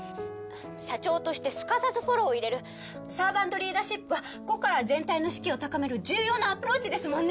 社長としてすかさずフォローを入れるサーバントリーダーシップは個から全体の士気を高める重要なアプローチですもんね